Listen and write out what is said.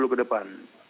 tiga puluh ke depan